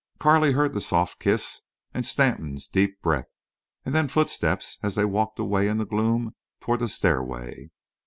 Carley heard the soft kiss and Stanton's deep breath, and then footsteps as they walked away in the gloom toward the stairway.